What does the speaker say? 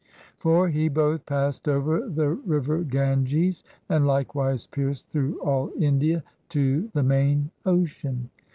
For he both passed over the river Ganges, and likewise pierced through all India to the main ocean.